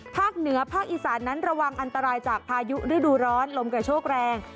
ภาคเหนือภาคอีสานนั้นระวังอันตรายจากพายุฤดูร้อนลมกระโชกแรง